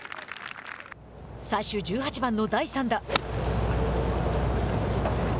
最終１８番の第３打。